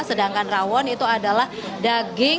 sedangkan rawon itu adalah daging